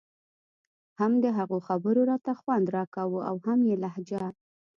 هم د هغه خبرو راته خوند راکاوه او هم يې لهجه.